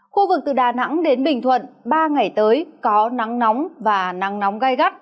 khu vực từ đà nẵng đến bình thuận ba ngày tới có nắng nóng và nắng nóng gai gắt